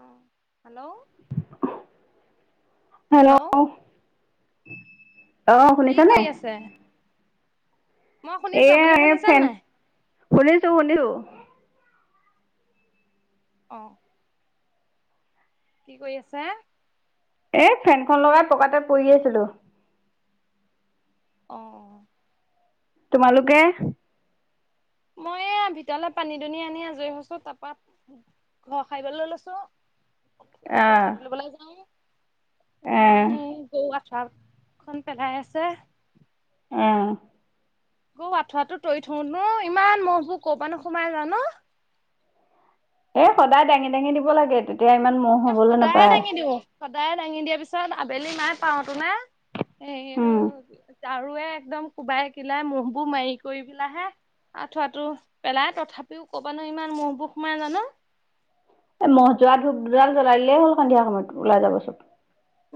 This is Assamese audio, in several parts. অ হেল্ল' হেল্ল' অ কি কৰি আছে মই শুনিছো এয়া আপুনি এই শুনিচেন ফেন নাই শুনিছো শুনিছো অঁ কি কৰি আছে এই ফেনখন লগাই পকাতে পৰি আছিলো অ তোমালোকে মই এইয়া ভিতৰলে পানী দুনি আনি আজৰি হৈছো তাৰপা ঘৰ হাৰিবলে লৈছো আহ কঠীয়া তুলিবলৈ যাও এ মা হেই চাপখন পেলাই আছে উম অ আঠুৱা টো তৰি থৌ ন ইমান মহবোৰ কৰ'পানো সোমাই জানো ন এ সদায় দাঙি দাঙি দিব লাগে তেতিয়া ইমান মহ' এ হবলৈ সদায় নাপায় দাঙি দিওঁ সদায় দাঙি দিয়া পিছত আবেলি মাই পাওতো নে এ সেইটো উম যাৰুৱে একদম কোবাই কিলাই মহবোৰ মাৰি কৰি পেলাইহে আঁঠুৱাটো পেলাই তথাপিও কৰ পা নো ইমান মহবোৰ হোমাই জানো এ মহ যোৱা ধূপ দুডাল জ্বলাই দিলেই হ'ল সন্ধিয়া সময়তো ওলাই যাব চব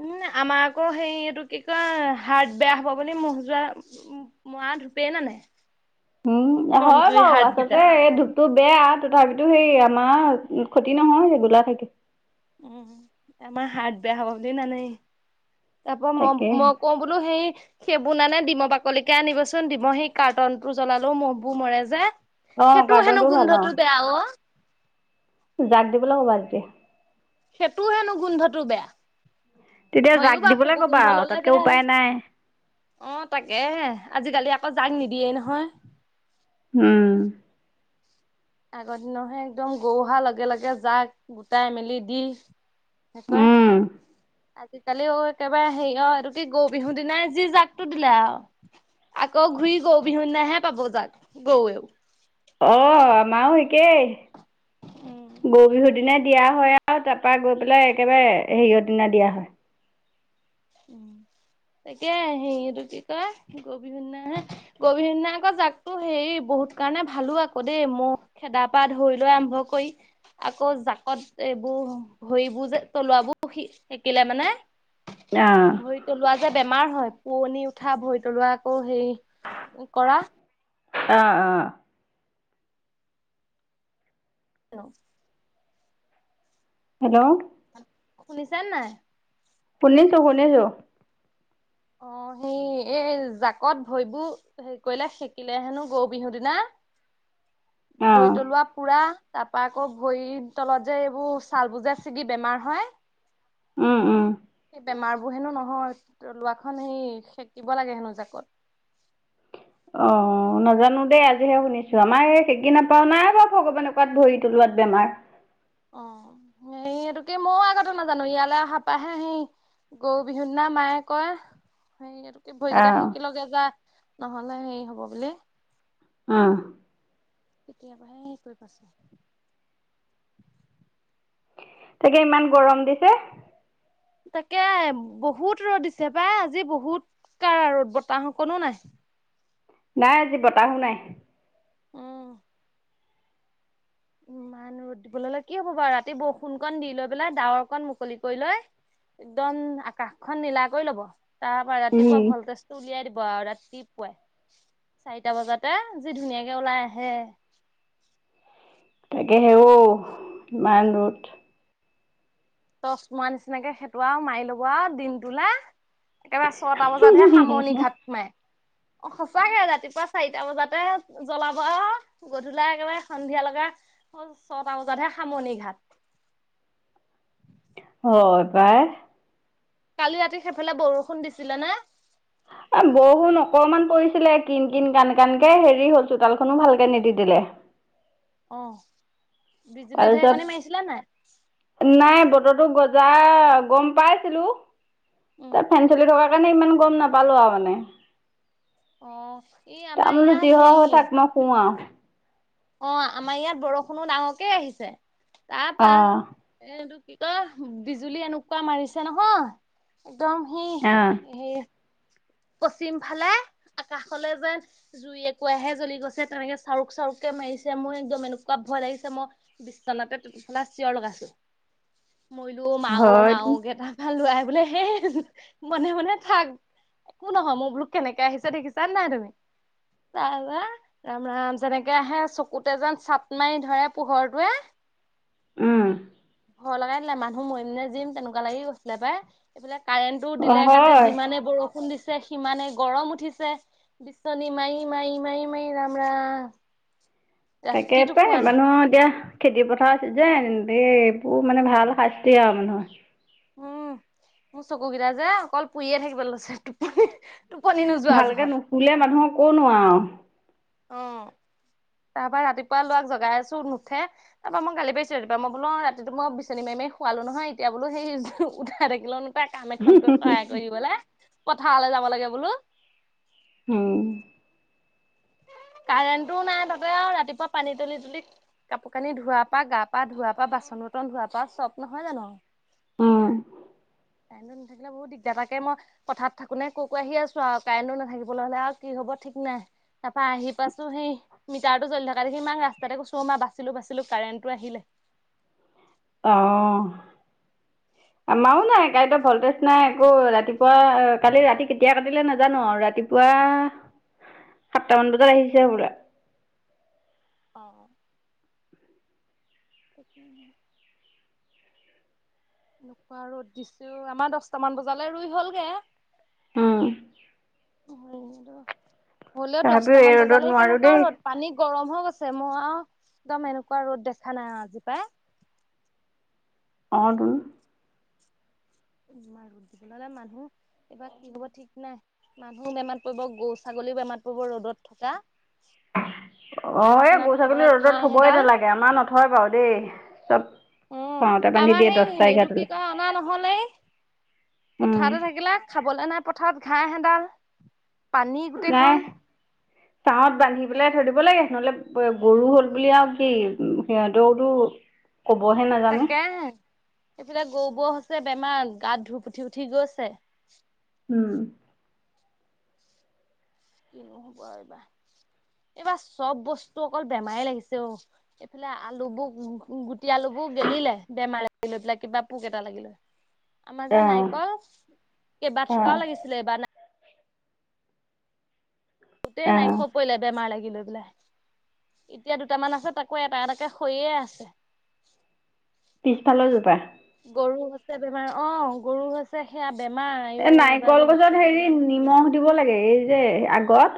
উম আমাৰ আকৌ হে এইটো কি কয় হাৰ্ট বেয়া হব বুলি মহ যোৱা মৰা ধূপে নানে উম হয় কমজুৰি বাৰু হাৰ্ট কেইটা আচলতে এই ধূপ তটো বেয়া তথাপিতো সেই আমাৰ ক্ষতি নহয় ৰেগুলাৰ থাকে। উম আমাৰ হাৰ্ট বেয়া হব বুলি নানেই তাৰ পৰা মই তাকে মই কওঁ বোলো সেই সেইবোৰ নানে ডিম বাকলিকে আনিবচোন ডিম সেই কাৰ্টনটো জ্বলালো মহবোৰ মৰে যে। অ সেইটো হেনো কাৰ্টনটো ভাল গোন্ধটো বেয়া অ। যাক দিবলে হব আজি সেইটো হেনো গোন্ধটো বেয়া। তেতিয়া জাক হয়ও বা দিবলৈ সেইবোৰ ক'বা গোন্ধ আৰু ললে তাতকে উপায় বেয়া। নাই। অ তাকে আজিকালি আকৌ জাক নিদিয়ে নহয়। উম আগৰ দিনতহে একদম গৰু অহা লগে লগে যাক গোটাই মেলি দি। কৰে। উম, আজিকালিও একেবাৰে হেৰি অ এইটো কি গৰু বিহুৰ দিনাই যি জাকটো দিলে আও আকৌ ঘূৰি গৰু বিহু দিনাহে পাব যাক গৰুয়েও অঁ আমাৰো একেই উম, গৰু বিহুৰ দিনাই দিয়া হয় আৰু তাৰপৰা গৈ পেলাই একেবাৰে হেৰিয়ৰ দিনা দিয়া হয়। উম এতিয়া সেইটো কি কয় গৰু বিহু দিনা হে গৰু বিহু দিনা আক জাকতো হেৰি বহুত কাৰণে ভালো আকৌ দেই মহ গা পা ধুই লৈ আৰম্ভ কৰি আকৌ জাকত এইবোৰ ভৰিবোৰ যে তলোৱাবোৰ সেকিলে মানে অ', ভৰি তলুৱা যে বেমাৰ হয় পোৱনি উঠা ভৰি তলোৱা আকৌ হেৰি কৰা অঁ অঁ হেল্ল' হেল্ল' শুনিছে নাই? শুনিছোঁ শুনিছোঁ। অ সেই এ এ জাকত ভৰিবোৰ হেৰি কৰিলে শেকিলে হেনো গৰু বিহু দিনা অ', ভৰি তলোৱা পুৰা তাপা আকৌ ভৰিৰ তলত যে এইবোৰ চালবোৰ যে ছিগি বেমাৰ হয় উম উম বেমাৰবোৰ হেনো নহয় তলোৱাখন সেই সেকিব লাগে হেনো জাকত। অ নাজানো দেই আজিহে শুনিছো আমাৰ এই হেকি নাপাও নাই বাৰু ভগৱানে কৰাত ভৰি তোলোৱাত বেমাৰ। অ হেৰি এইটো কি মইও আগতে নাজানো ইয়ালে অহা পাহে সি গৰু বিহু দিনা মায়ে কয় হে ভৰিকেইটা অ', শেকি লগে যা নহলে হেৰি হব বুলি। উম কেতিয়াবা হে হেৰি কৰি পাইছো। [inaudible] তাকে ইমান গৰম দিছে। তাকে বহুত ৰ'দ দিছে পাই আজি বহুত কাৰা ৰ'দ বতাহ অকনো নাই। নাই আজি বতাহো নাই। উম ইমান ৰ'দ দিবলৈ হলে কি হ'ব বাৰু ৰাতি বৰষুণ কণ দি লৈ পেলাই ডাৱৰ কণ মুকলি কৰি লয়। একদম আকাশখন নীলা কৰি লব তাৰ পৰা উম। ৰাতিপুৱা ভল্টেজটো উলিয়াই দিব আৰু ৰাতি পুৱাই চাৰিটা বজাতে যি ধুনীয়াকে ওলাই আহে। তাকে হেও ইমান ৰদ। তচ মাৰ নিচিনাকে খেতোৱা আৰু মাৰি লব আৰু দিনটোলে। একেবাৰে ছটা বজাতহে সামৰণি ঘাট মাৰে। অ সঁচাকে ৰাতিপুৱা চাৰিটা বজাতে জ্বলাব আৰু। গধূলা একেবাৰে সন্ধিয়া লগা ছটা বজাতহে সামৰনি ঘাট। হয় পাই কালি ৰাতি সেইফালে বৰষুণ দিছিলে নে। বহুত অকণমান পৰিছিলে কিন কিন কান কানকে হেৰি হ'ল চোতালখনো ভালকে নিতিতিলে অ' বিজুলী তাৰপিছত ঢেৰেকনি মাৰিছিলে নাই। নাই বতৰটো গজা গম পাইছিলো উম তাত ফেন চলি থকা। সেইকাৰণে ইমান গম নাপালো আৰু মানে। অ' ই তাৰ আমাৰ বোলো ইয়াত যি হয় হেৰি হৈ থাক মই শুও আৰু। অ' আমাৰ ইয়াত বৰষুণো ডাঙৰকে আহিছে তাপা অ এইটো কি কয় বিজুলী এনেকুৱা মাৰিছে নহয় একদম সি অ হেই পশ্চিম ফালে আকাশলে যেন জুই একোৱাহে জ্বলি গৈছে তেনেকে চাৰুক চাৰুকে মাৰিছে মোৰ একদম এনেকুৱা ভয় লাগিছে মোৰ। বিচনাতে তেতো ফলা চিঞৰ লগাইছো। মইলো মাও হয় মাওকে লৰাই বোলে হেই মনে মনে থাক। একো নহয় মইবোলো কেনেকে আহিছে দেখিছা নাই তুমি। ৰাম ৰাম যেনেকে আহে চকুতে যেন চাট মাৰি ধৰে পোহৰটোৱে। উমঁ। ভয় লগাই দিলে মানুহ মৰিম নে যিম তেনেকুৱা লাগি গৈছিলে পাই। এইফাললে কাৰেণ্টটো অ দিলে কাটি হয়। যিমানে বৰষুণ দিছে সিমানে গৰম উঠিছে। বিচনী মাৰি মাৰি মাৰি মাৰি, ৰাম ৰাম। তাকে ৰাতিটো পায় শুৱা নাই মানুহ এতিয়া,,,, খেতি পথাৰৰ চিজেন এই এইবোৰ মানে ভাল শাস্তি আৰু মানুহৰ। উমঁ মোৰ চকুকেইটা যে অকল পুৰিয়ে থাকিব লৈছে টোপনিত। ভালকে নুশুলে মানুহক ক নো আও। অঁ' তাৰ পৰাৰা ৰাতিপুৱা ল'ৰাক জগাই আছো নুঠে। তাৰ পৰা মই গালি পাৰিছো ৰাতিপোৱা মই বলো ৰাতিতো মই বিচনী মাৰি মাৰি শুৱালো নহয় এতিয়া বোলো উঠাই থাকিলো নো কাম এখন নোৱাৰো। কৰাই কৰি দলে পথাৰলৈ যাব লাগে বোলো। উমঁ। কাৰেণ্টটোও নাই তাতে আৰু ৰাতিপুৱা পানী তুলি তুলি। কাপোৰ কানি ধোৱাৰ পৰা গা পা ধোৱা পা বাচন ব্তন ধোৱাৰ পা চব নহয় জানো। উম, কাৰেণ্টটো নাথাকিল। বৰ দিগদাতাকে মই কথাত থাকো নে ক কৈ আহি আছো আৰু কাৰেণ্টটো নাথাকিবলৈ হ'লে আৰু কি কি হব ঠিক নাই। তাপা আহি পছোহি। মিটাৰটো জলি থকা দেখি মাক ৰাস্তাতে কৈছো বাছিলো বাছিলো কাৰেণ্টটো আহিলে। অঁ'। ইচচচচ আমাৰও নাই কাৰেণ্টত ভল্টেজ নাই আকৌ ৰাতিপুৱা কালি ৰাতি কেতিয়া কাটিলে নাজানো আৰু ৰাতিপুৱা। ৱাহ। [inaudible] সাতটামান বজাত আহিছে হ'বলা। অঁ অঁ! একো নাই। এনেকুৱা ৰ'দ দিছে ঐ আমাৰ দহটামান বজালে ৰুই হলগে। উমঁ। হ'লেও তথাপিও এই দছটামান ৰ'দত বজালে নোৱাৰো কেনেকুৱা দেই ৰ'দ। পানী গৰম হৈ গৈছে মই আৰু একদম এনেকুৱা ৰ'দ দেখা নাই আজি পাই। অঁ তোন। মান ৰ'দ দিব ন'লে মানুহ এইবাৰ কি হব ঠিক নাই। মানুহো বেমাৰ পৰিব গৰু ছাগলীও বেমাৰ পৰিব ৰ'দত থকা। অঁ পথাৰত এই নাই গৰু ছাগলী খাবলৈ ৰ'দত ঘাঁহ থবই এডাল নালাগে আমাৰ নথয় বাৰু দেই চব,,,, অ খঙতে বান্ধি আমাৰ দিয়ে সেই দহটা এইটো কি এঘাৰটালে। কয় অনা নহ'লে। উম, পথাৰতে থাকিলে খাবলে নাই পথাৰত ঘাঁহ হেডাল পানী নাই গোটেইখন। ছাঁহত বান্ধি পেলাই থৈ দিব লাগে নহ'লে গৰু হ'ল বুলি আৰু কি সিহঁতে টো ক'হে নাজানে। তাকেহে এইফালে গৰুবোৰ হৈছে বেমাৰ গাত ধুপ উঠি উঠি গৈছে। উমঁ। কিনো হ'ব আৰু এইবাৰ। এইবাৰ চব বস্তু অকল বেমাৰে লাগিছে অ'। এইফালে আলুবোৰ গু--গুটি আলুবোৰ গেলিলে বেমাৰে লাগি লৈ পেলাই কিবা পোক এটা লাগিল লয়। আমাৰ যে অ'। নাৰিকল কেইবাৰ অ', থোকাও লাগিছিলে এই নাই। গোটেই অ', নাৰিকল পৰিলে বেমাৰ লাগি লৈ পেলাই। ইতিয়া দুটামান আছে তাকো এটা এটাকে হৈয়ে আছে। পিছফালৰ জোপা? গৰু হৈছে বেমাৰ অঁ, গৰু হৈছ ছে সেয়া বেমাৰ এ আইও এইবাৰ নাৰিকল যে গছত বস্তুবোৰ হেৰি ইমান পোক নিমখ ধৰিছে। দিব লাগে এই যে আগত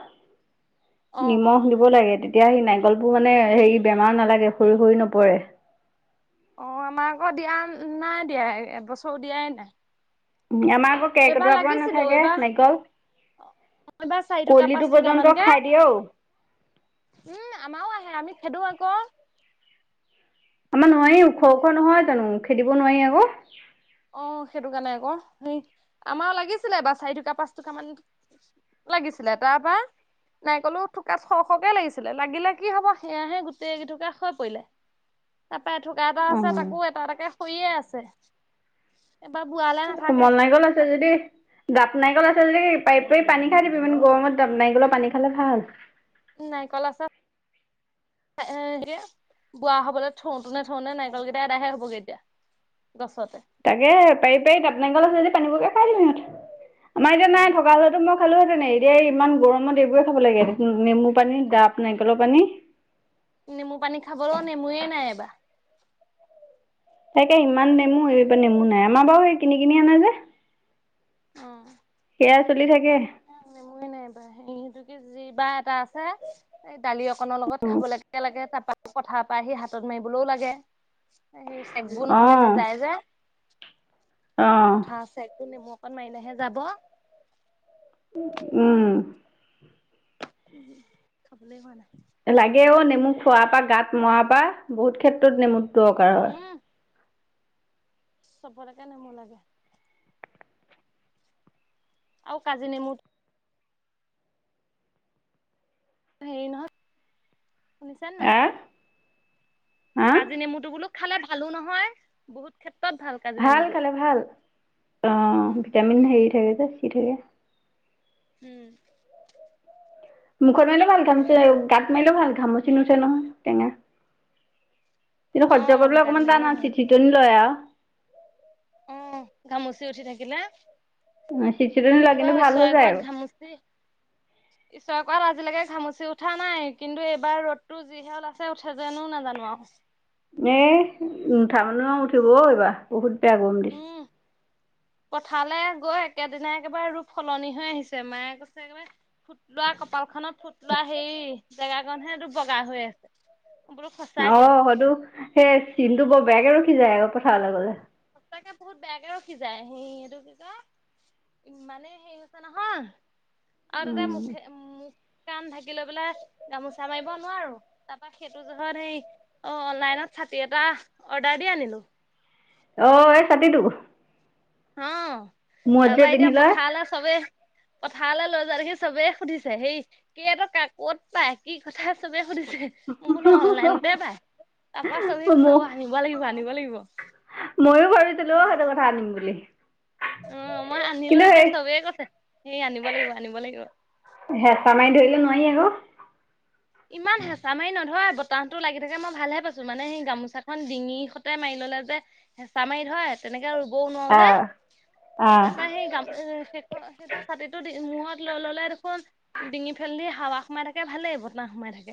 অ' নিমখ দিব লাগে তেত্ তিয়া সেই নাৰিকলবোৰ মানে হেৰি বেমাৰ নালাগে সৰি সৰি নপৰে। অঁ, আমাৰ ঘৰত দিয়া ন নাই দিয়া এবছৰো দিয়াই নাই। উম, আমাৰ আকৌ এইবাৰ কেৰ্কেটুৱা পৰা লাগিছিলো নাথাকে এইবাৰ নাৰিকল। এইবাৰ চাৰি থোকা পাঁচ কলিটো থোকা পৰ্যন্ত মানকে খাই দিয়ে অও। উম, আমাও আহে, আমি খেদো আক'। আমাৰ নোৱাৰি ওখ ওখ নহয় জানো? খেদিব নোৱাৰি আক'। অঁ, সেইটো কাৰণে আক'। হেই আমাও লাগিছিলে এইবাৰ চাৰিথুকা, পাঁচথুকা মান। লাগিছিলে তাৰপৰা নাৰিকলো থুকাত সৰহ সৰহকে লাগিছিলে। লাগিলে কি হ'ব সেয়াহে গোটেই কেইথুকা সৰি পৰিলে। তাৰপৰা থুকা এটা আছে অ', তাকো এটা এটাকে সৰিয়ে আছে। এইবাৰ বুঢ়া হ'লে কোমল নাৰিকল আছে যদি দাপ নাৰিকল আছিল যদি পাৰি পাৰি পানী খাই দিবি। ইামন গৰমত দাপ নাৰিকলৰ পানী খালে ভাল। নাৰিকল আছে। এ-বোৱা হ'বলে থওঁতোনে, থওঁতে নাৰিকলকেইটা এদাইহে হ'বগে এতিয়া গছতে। তাকে পাৰি পাৰি দাপ নাৰিকল আছে যদি পানীবোৰকে খাই দিছে সিহঁত। আমাৰ এতিয়া নাই থকা হ'লেটো মই খালো হেঁতেন। এতিয়া ইমান গৰমত এইবোৰে খাব লাগে নেমু পানী, ডাপ নাৰিকলৰ পানী। নেমু পানী খাবলো নেমুৱে নাই এইবাৰ। তাকে সিমান নেমু এইবাৰ নেমু নাই। আমাৰ বাৰু হেই কিন কিনি আনে যে। অঁ। সেইয়া চলি থাকে। উম, নেমুৱে নাই এইবাৰ। [unintelligible] এটা আছে। এই দালি অকণৰ লগত খাবলেকে লাগে। তাৰপৰা পথাৰ পৰা আহি হাতত মাৰিবলো লাগে। সেই ছেগবোৰ নহলে অঁ নাযায় যে। অঁ পথাৰৰ ছেগবোৰ নেমু অকণ মাৰিলেহে যাব। উম। খাবলে হোৱা নাই। লাগে অ' নেমু খোৱাৰ পৰা, গাত মৰাৰ পৰা বহুত ক্ষেত্ৰত নেমু দৰকাৰ হয়। চবলেকে নেমু লাগে। আৰু কাজি নেমুত হেৰি নহয়, শুনিছা নে আ নাই? হা কাজি নেমুটো বোলো খালে ভালো নহয়, বহুত ক্ষেত্ৰত ভাল। কাজি ভাল নেমুটো খালে ভাল। অঁ উম ভিটামিন হেৰি থাকে যে চি থাকে। উম। মুখত মাৰিলেও ভাল তাকে ঘামুচি থাকিলে, গাত মাৰিলেও ভাল ঘমুচি নুঠে নহয় টেঙা। কিন্তু অ সহ্য কৰিবলৈ গাত অকণমান মাৰিলেও টান হয় ভাল চিত্ চিতনি লয় আৰু। অ ঘামুচি উঠি থাকিলে উম চিট -চিটনি লাগে কিন্তু ভাল হৈ যায় ক ঘামচি ঈশ্বৰ কৃপাত আজিলৈকে ঘামচি উঠা নাই কিন্তু এইবাৰ ৰ'দটো যি যিহে ওলাইছে উঠে যেনো নাজানো আৱ এ নুঠা মানুহো উঠিবও এইবাৰ বহুত বেয়া গৰম দিছে উম পথাৰলে গৈ একেদিনাই একেবাৰে ৰূপ সলনি হৈ আহিছে মায়ে কৈছে একেবাৰে ফুট লোৱা কপাল খনত ফুট লোৱা সেই জেগাকনহে তো বগা হৈ আছে মই বোলো অ সঁচাকেও সেইটো সেই চিনটো বৰ বেয়াকে ৰখি যায় আক পথাৰলে গলে সঁচাকে বহুত বেয়াকে ৰখি যায় সেই এইটো কি কয় ইমানে সেই আছে নহয় আৰু তাতে এ উম মুখে কান ঢাকি লৈ পেলাই গামোচা মাৰিব নোৱাৰো তাৰ পৰা সেইটো জোখত সেই অ অনলাইনত ছাতি এটা অৰ্ডাৰ দি আনিলো অ এই ছাতিটো অ মূৰত তাৰ যে পৰা এতিয়া পিন্ধি লয় পথাৰলে চবে পথাৰলে লৈ যোৱি দেখি চবে সুধিছে সেই কেই টকা কত পাই কি কথা চবে সুধিছে মই বোলো অনলাইনতে পাই তাৰ পৰা চবে ম কৈছে অ আনিব লাগিব আনিব লাগিব মইয়ো ভাবিছিলো অ সেনেকোৱা এটা আনিম বুলি অ মই আনিলো কিন্তু এতিয়া সেই চবে কৈছে সেই আনিব লাগিব আনিব লাগিব হেঁচা মাৰি ধৰিলে নোৱাৰি আক ইমান হেঁচা মাৰি নধৰে বতাহটো লাগি থাকে মই ভালহে পাইছো মানে সেই গামোচাখন ডিঙিৰহতে মাৰি ললে যে হেঁচা মাৰি ধৰে তেনেকে ৰুবও নোৱাৰো যে আহ আহ তাৰ পৰা সেই গাম সেইটো ছাতিটো মূৰত লৈ ললে দেখোন ডিঙিৰ ফালেদি হাৱা সোমাই থাকে ভালে হব না সোমাই থাকে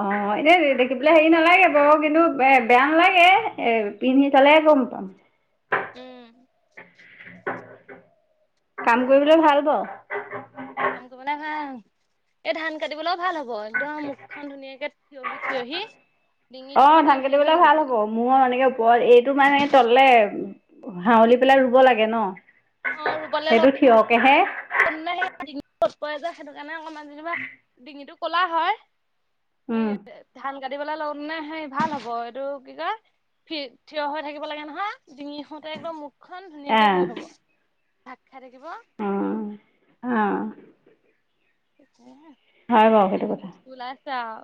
অ এনে দেখি পেলাই হেৰি নালাগে বাৰু কিন্তু এ বেয়া নালাগে এ পিন্ধি চালেহে গম পাম উম কাম কৰিবলে ভাল বাৱ কাম কৰিবলে ভাল এই ধান কাটিবলৈও ভাল হব একদম ইমান ধুনীয়াকে থিয়হি থিয়হি অ ডিঙিটো সতে ধান হেৰি হৈ কাটিবলে থাকিব ভাল হ'ব মোৰ এনেকে ওপৰত এইটো মানে তললে হাউলি পেলাই ৰুব লাগে ন অ ৰুবলে সেইটো লওঁতে থিয়কেহে সেই ডিঙত ৰদ পৰে যে সেইটো কাৰণে অকমান যেনিবা ডিঙিটো কলা হয় এই ধান কাটিবলে ললে মানে হেই ভাল হ'ব এইটো কি কয় থি থিয় হৈ থাকিব লাগে নহয় ডিঙি সতে একদম মুখ খন অঁ ধুনীয়াকে হেৰি হব ধাক খাই থাকিব অ অ এয়া হয় বাৰু এইবোৰ সেইটো কিনো কথা বস্তু ওলাইছে আও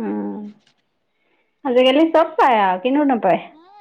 উম আজিকালি চব পায় আও কিনো নাপায় আৰু।